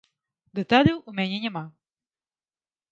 Дэталяў у мяне няма.